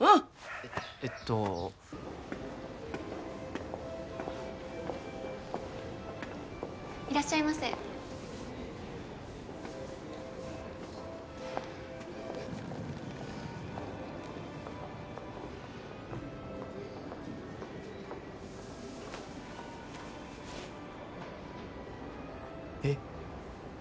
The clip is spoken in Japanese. えっえっといらっしゃいませえっ